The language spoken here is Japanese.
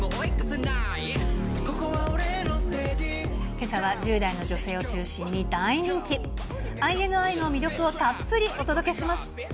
けさは１０代の女性を中心に大人気、ＩＮＩの魅力をたっぷりお届けします。